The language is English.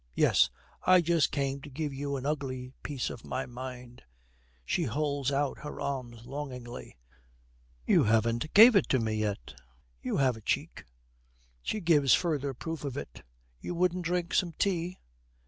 'Yes, I just came to give you an ugly piece of my mind.' She holds out her arms longingly. 'You haven't gave it to me yet.' 'You have a cheek!' She gives further proof of it. 'You wouldn't drink some tea?'